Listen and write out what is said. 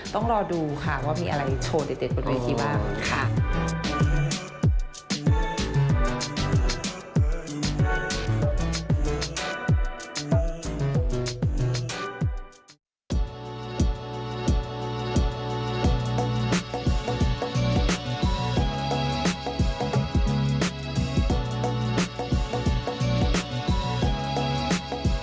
ต้องรอดูค่ะว่ามีอะไรโชว์เด็ดบนเวทีบ้างค่ะ